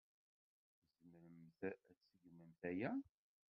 Tzemremt ad tseggmemt aya?